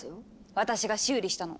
私が修理したの。